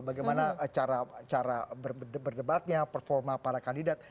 bagaimana cara berdebatnya performa para kandidat